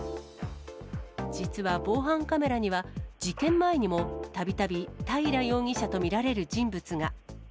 実は防犯カメラには、事件前にもたびたび、平容疑者と見られる人物が。